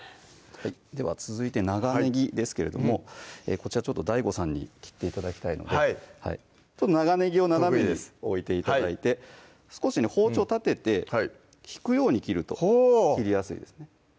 では続いて長ねぎですけれどもこちらちょっとＤＡＩＧＯさんに切って頂きたいので長ねぎを斜めに置いて頂いて少しね包丁立てて引くように切るとほう切りやすいですね